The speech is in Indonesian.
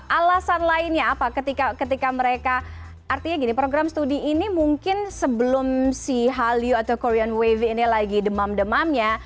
alasan lainnya apa ketika mereka artinya gini program studi ini mungkin sebelum si hallyu atau korean wave ini lagi demam demamnya